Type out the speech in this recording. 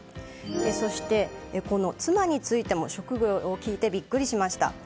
そして、この妻についても職業を聞いてビックリしました。